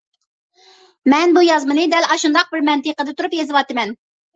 مەن بۇ يازمىنى دەل ئاشۇنداق بىر مەنتىقىدە تۇرۇپ يېزىۋاتىمەن.